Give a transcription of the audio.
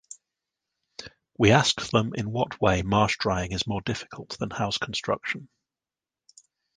We asked them in what way marsh drying is more difficult than house construction.